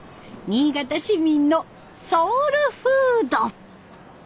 新潟市民のソウルフード。